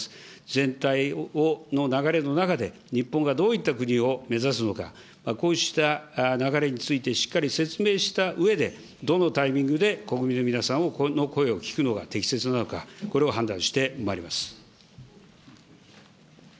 全体の流れの中で、日本がどういった国を目指すのか、こうした流れについて、しっかり説明したうえで、どのタイミングで国民の皆さんの声を聞くのが適切なのか、これを判断してまいります。